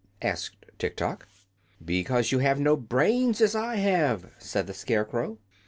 asked Tiktok. "Because you have no brains, as I have," said the Scarecrow.